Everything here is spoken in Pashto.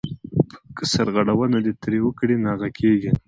که سرغړونه ترې وکړې ناغه کېږې .